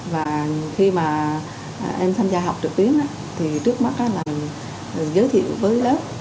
và khi mà em tham gia học trực tuyến thì trước mắt là giới thiệu với lớp